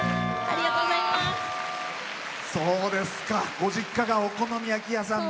ご実家がお好み焼き屋さんで。